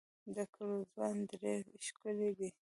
د ګرزوان درې ښکلې دي